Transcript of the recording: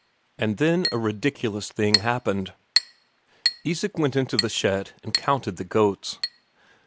And then a ridiculous thing happened. Isak went into the shed and counted the goats.